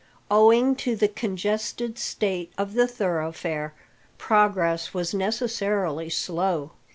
Owing to the congested state of the thoroughfare, progress was necessarily slow.